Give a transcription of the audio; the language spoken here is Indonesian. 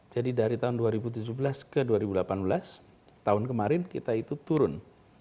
jadi dari tahun dua ribu tujuh belas ke dua ribu delapan belas tahun kemarin kita itu turun